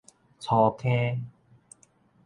粗坑